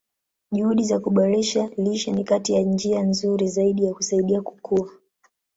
Juhudi za kuboresha lishe ni kati ya njia nzuri zaidi za kusaidia kukua.